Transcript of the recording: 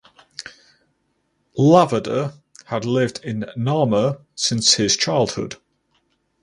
Laverdure had lived in Namur since his childhood.